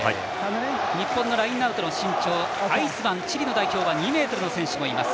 ラインアウトアイスマン、チリの代表は２ｍの選手もいます。